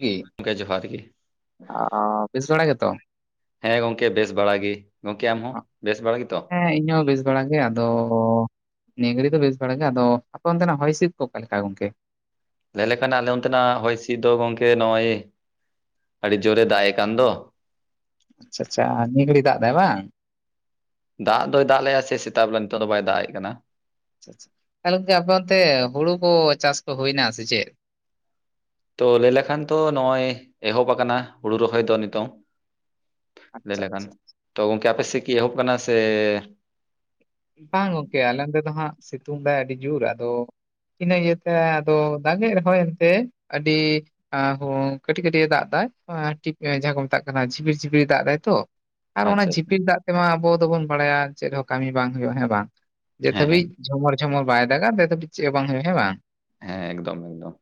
ᱜᱤ [inaudible] ᱜᱠᱮ ᱡᱚᱦᱟᱨ ᱜᱮ ᱵᱮᱥ ᱵᱟᱲᱟ ᱜᱮᱛᱚ? ᱦᱮ ᱜᱚᱝᱠᱮ ᱵᱮᱥ ᱵᱟᱲᱟ ᱜᱤ, ᱜᱚᱝᱠᱮ ᱟᱢ ᱦᱚ ᱵᱮᱥ ᱵᱟᱲᱟ ᱜᱮᱛᱚ? ᱦᱮ, ᱤᱧ ᱦᱚ ᱵᱮᱥ ᱵᱟᱲᱟ ᱜᱮ, ᱟᱫᱚ ᱱᱤᱭᱮ ᱜᱷᱟᱲᱤᱡ ᱫᱚ ᱵᱮᱥ ᱵᱟᱲ ᱜᱮ, ᱟᱫᱚ ᱟᱯᱮ ᱚᱱᱛᱮᱱᱟᱜ ᱦᱚᱭ ᱦᱤᱥᱤᱫ ᱠᱚ ᱚᱠᱟ ᱞᱮᱠᱟ ᱜᱚᱝᱠᱮ? ᱞᱟᱹᱭ ᱞᱮᱠᱷᱟᱱ ᱟᱞᱮ ᱚᱱᱛᱮᱱᱟᱜ ᱦᱚᱭ ᱦᱤᱥᱤᱫ ᱫᱚ, ᱜᱚᱝᱠᱮ ᱱᱚᱜᱚᱭ ᱟᱹᱰᱤ ᱡᱳᱨᱮ ᱫᱟᱜ ᱮ ᱠᱟᱱ ᱫᱚ᱾ ᱟᱪᱷᱟ, ᱟᱪᱷᱟ ᱱᱤᱜᱟᱲᱤᱡ ᱫᱟᱜ ᱫᱟᱭ ᱵᱟᱝ? ᱫᱟᱜ ᱫᱚᱭ ᱫᱟᱜ ᱞᱮᱼᱟ ᱥᱮ ᱥᱮᱛᱟᱜ ᱵᱮᱞᱟ, ᱱᱤᱛᱚᱜ ᱫᱚ ᱵᱟᱭ ᱫᱟᱜ ᱮᱫ ᱠᱟᱱᱟ᱾ ᱟᱪᱪᱷᱟ ᱟᱪᱪᱷᱟ, ᱦᱮ ᱜᱚᱝᱠᱮ ᱟᱯᱮ ᱚᱱᱛᱮ ᱦᱩᱲᱩ ᱠᱚ ᱪᱟᱥ ᱠᱚ ᱦᱩᱭᱱᱟ ᱥᱮ ᱪᱮᱫ? ᱛᱚ ᱞᱟᱹᱭ ᱞᱮᱠᱷᱟᱱ ᱛᱚ, ᱱᱚᱜᱼᱚᱭ ᱮᱦᱚᱵ ᱟᱠᱟᱱᱟ ᱦᱩᱲᱩ ᱨᱚᱦᱚᱭ ᱫᱚ ᱱᱤᱛᱚᱝ᱾ ᱞᱟᱹᱭ ᱟᱪᱪᱷᱟ ᱞᱮᱠᱷᱟᱱ ᱟᱪᱪᱷᱟ ᱛᱚ, ᱜᱚᱝᱠᱮ ᱚ ᱟᱯᱮ ᱥᱮᱫ ᱠᱤ ᱮᱦᱚᱵ ᱠᱟᱱᱟ ᱥᱮ ᱵᱟᱝ ᱜᱚᱝᱠᱮ, ᱟᱞᱮ ᱱᱚᱛᱮ ᱫᱚ ᱦᱟᱸᱜ, ᱥᱤᱛᱩᱝ ᱫᱟᱭ ᱟᱹᱰᱤ ᱡᱳᱨ ᱟᱫᱚ ᱤᱱᱟᱹ ᱤᱭᱟᱹᱛᱮ, ᱟᱫᱚ ᱫᱟᱜᱮ ᱨᱮᱦᱚᱭ ᱮᱱᱛᱮ ᱟᱹᱰᱤ ᱟ ᱦᱳ ᱠᱟᱴᱤᱡ ᱠᱟᱴᱤᱡ ᱮ ᱫᱟᱜ ᱫᱟ, ᱮ ᱴᱤᱯ ᱡᱟᱦᱟᱸ ᱠᱚ ᱢᱮᱛᱟᱜ ᱠᱟᱱᱟ, ᱡᱷᱤᱯᱤᱨ ᱡᱷᱩᱯᱤᱨ ᱮ ᱫᱟᱜ ᱫᱟᱭ ᱛᱚ, ᱟᱨ ᱚᱱᱟ ᱟᱪᱪᱷᱟ ᱡᱷᱤᱯᱤᱨ ᱫᱟᱜ ᱛᱮᱢᱟ ᱟᱵᱚ ᱫᱚᱵᱚᱱ ᱵᱟᱲᱟᱭᱟ ᱪᱮᱫ ᱦᱚ ᱠᱟᱹᱢᱤ ᱵᱟᱝ ᱦᱩᱭᱩᱜᱼᱟ, ᱦᱮ ᱵᱟᱝ ᱡᱮᱫ ᱦᱮᱸ ᱦᱮᱸ ᱦᱟᱵᱤᱡ ᱡᱷᱚᱢᱚᱨ ᱡᱷᱚᱢᱚᱨ ᱵᱟᱭ ᱫᱟᱜᱟ ᱵᱮᱥ ᱦᱟᱵᱤᱡ ᱪᱮᱫ ᱦᱚ ᱵᱟᱝ ᱦᱩᱭᱩᱼᱟ ᱦᱮ ᱵᱟᱝ? ᱦᱮ ᱮᱠᱫᱚᱢ ᱮᱠᱫᱚᱢ,